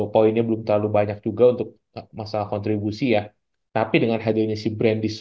poinnya belum terlalu banyak juga untuk masalah kontribusi ya tapi dengan hadirnya si brand di